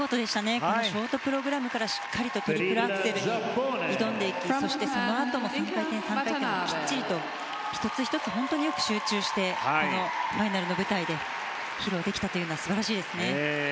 ショートプログラムからしっかりとトリプルアクセルに挑んでいき、そしてそのあとの３回転、３回転もきっちりと１つ１つ本当によく集中してファイナルの舞台で披露できたというのは素晴らしいですね。